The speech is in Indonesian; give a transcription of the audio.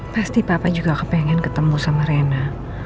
pasti papa juga kepengen ketemu sama rena